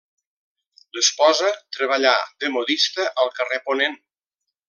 L’esposa treballà de modista al carrer Ponent.